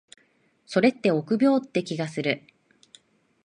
それって臆病って気がする。